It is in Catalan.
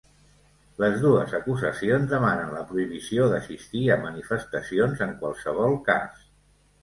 Les dues acusacions demanen la prohibició d'assistir a manifestacions en qualsevol cas.